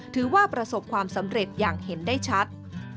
ถือว่าประสบความสำเร็จอย่างเห็นได้ชัด